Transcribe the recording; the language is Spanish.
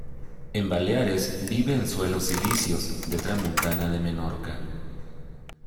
En Baleares vive en suelos silíceos de Tramuntana de Menorca.